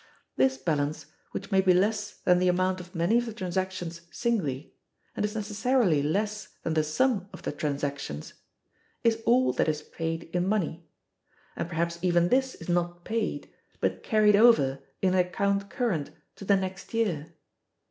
This balance, which may be less than the amount of many of the transactions singly, and is necessarily less than the sum of the transactions, is all that is paid in money; and perhaps even this is not paid, but carried over in an account current to the next year.